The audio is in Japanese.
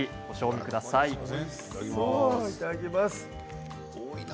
いただきます。